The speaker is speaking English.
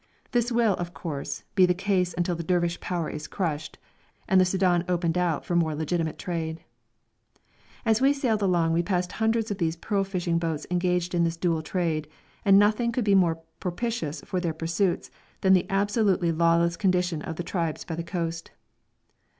This will, of course, be the case until the Dervish power is crushed, and the Soudan opened out for more legitimate trade. As we sailed along we passed hundreds of these pearl fishing boats engaged in this dual trade, and nothing could be more propitious for their pursuits than the absolutely lawless condition of the tribes by the coast.